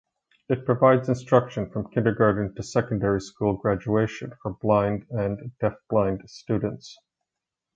It provides instruction from kindergarten to secondary school graduation for blind and deafblind students.